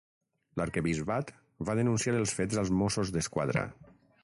L'Arquebisbat va denunciar els fets als Mossos d'Esquadra.